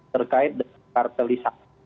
terkait dengan kartelisasi